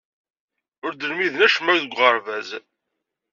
Ur d-lmiden acemma deg uɣerbaz.